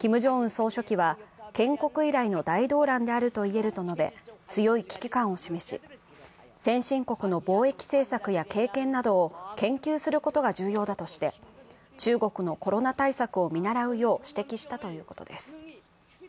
総書記は、建国以来の大動乱であると言えると述べ、強い危機感を示し、先進国に防疫政策や経験などを研究することが重要だとして、中国のコロナ対策を見習うよう指摘したということです。